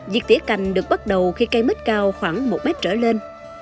việc tỉa cành được bắt đầu khi cây mít cao khoảng một mét trở lên